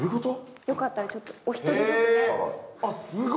よかったらちょっと、お一人ずつ。